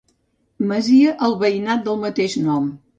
Masia al veïnat del mateix nom.